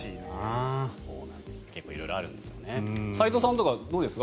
結構色々あるんですよね。